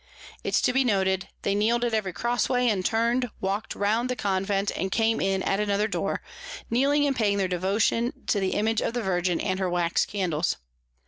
It's to be noted, they kneel'd at every Crossway, and turning, walk'd round the Convent, and came in at another Door, kneeling and paying their Devotion to the Image of the Virgin and her Wax Candles.